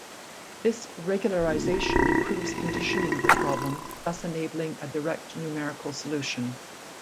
This regularization improves the conditioning of the problem, thus enabling a direct numerical solution.